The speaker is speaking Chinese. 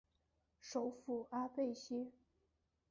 首府阿贝歇。